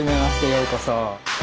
ようこそ。